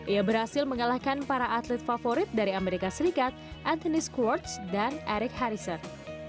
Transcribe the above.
ia berhasil mengalahkan para atlet favorit dari amerika serikat anthony squarts dan eric harrison